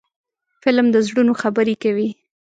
فلم د زړونو خبرې کوي